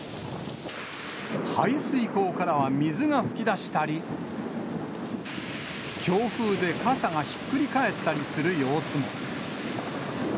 排水溝からは水が噴き出したり、強風で傘がひっくり返ったりする様子も。